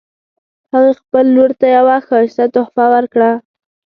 هغې خپل لور ته یوه ښایسته تحفه ورکړه